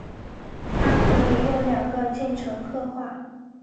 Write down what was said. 它可以用两个进程刻画。